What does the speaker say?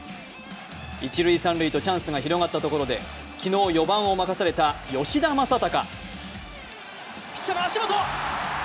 一塁・三塁とチャンスが広がったところで、昨日４番を任された吉田正尚。